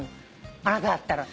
あなただったら。